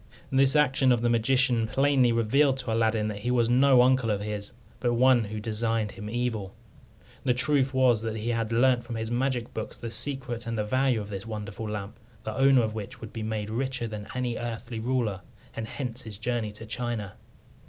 This action of the magician plainly revealed to Aladdin that he was no uncle of his, but one who designed him evil. The truth was that he had learnt from his magic books the secret and the value of this wonderful lamp, the owner of which would be made richer than any earthly ruler, and hence his journey to China.